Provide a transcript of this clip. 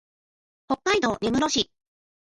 北海道根室市